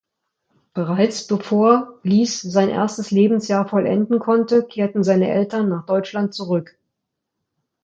Bereits bevor Liess sein erstes Lebensjahr vollenden konnte kehrten seine Eltern nach Deutschland zurück.